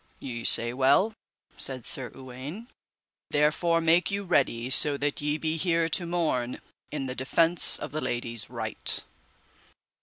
Ye say well, said Sir Uwaine, therefore make you ready so that ye be here to morn in the defence of the lady's right.